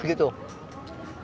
dikigit tuh kayak ah gitu ya